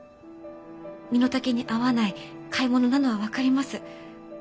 身の丈に合わない買い物なのは分かります。